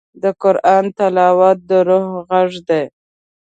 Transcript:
د قرآن تلاوت د روح غږ دی.